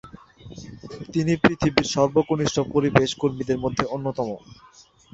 তিনি পৃথিবীর সর্বকনিষ্ঠ পরিবেশ কর্মীদের মধ্যে অন্যতম।